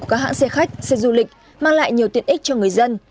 của các hãng xe khách xe du lịch mang lại nhiều tiền ích cho người dân